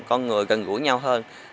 con người gần gũi nhau hơn